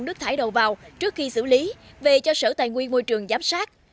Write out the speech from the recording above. nước thải đầu vào trước khi xử lý về cho sở tài nguyên môi trường giám sát